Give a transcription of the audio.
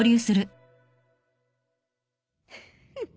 フフフ。